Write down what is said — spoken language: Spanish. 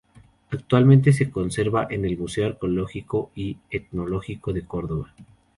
Actualmente se conserva en el Museo Arqueológico y Etnológico de Córdoba.